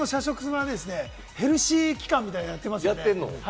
今、日テレさんの社食はヘルシー期間みたいなのやってますね。